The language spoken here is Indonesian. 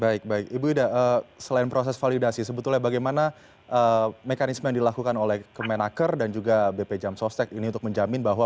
baik baik ibu ida selain proses validasi sebetulnya bagaimana mekanisme yang dilakukan oleh kemenaker dan juga bp jam sostek ini untuk menjamin bahwa